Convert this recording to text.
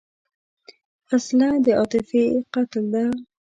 وسله د عاطفې قتل ده